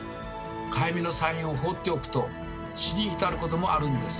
かゆみのサインを放っておくと死に至ることもあるんです。